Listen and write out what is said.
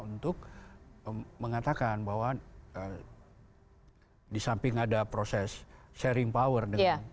untuk mengatakan bahwa di samping ada proses sharing power